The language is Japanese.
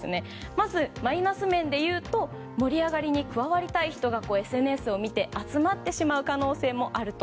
まずマイナス面でいうと盛り上がりに加わりたい人がＳＮＳを見て集まってしまう可能性もあると。